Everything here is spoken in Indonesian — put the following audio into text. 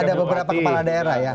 ada beberapa kepala daerah ya